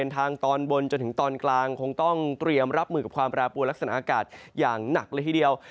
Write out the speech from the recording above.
ทางตอนบนจนถึงตอนกลางคงต้องเตรียมรับมือกับความแปรปวดลักษณะอากาศอย่างหนักเลยทีเดียว